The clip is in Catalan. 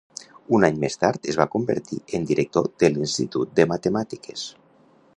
Un any més tard es va convertir en director de l'Institut de Matemàtiques.